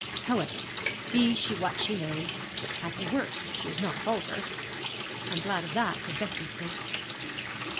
However, be she what she may, at the worst she is not vulgar. I am glad of that, for Bessie's sake.'